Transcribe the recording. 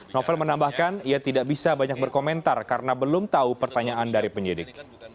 novel menambahkan ia tidak bisa banyak berkomentar karena belum tahu pertanyaan dari penyidik